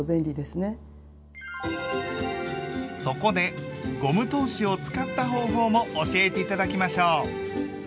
そこでゴム通しを使った方法も教えて頂きましょう！